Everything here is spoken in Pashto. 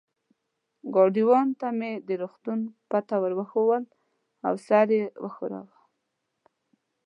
ګاډیوان ته مې د روغتون پته ور وښوول، سر یې و ښوراوه.